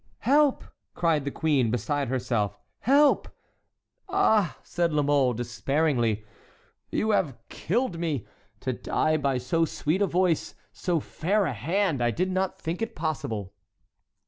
"Help!" cried the queen, beside herself, "help!" "Ah!" said La Mole, despairingly, "you have killed me. To die by so sweet a voice, so fair a hand! I did not think it possible."